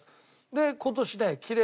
で今年ね